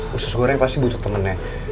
khusus goreng pasti butuh temennya